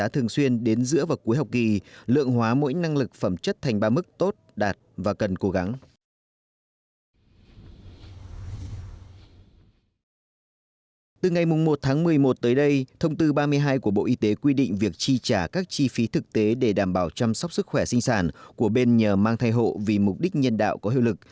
từ ngày một tháng một mươi một tới đây thông tư ba mươi hai của bộ y tế quy định việc chi trả các chi phí thực tế để đảm bảo chăm sóc sức khỏe sinh sản của bên nhờ mang thay hộ vì mục đích nhân đạo có hiệu lực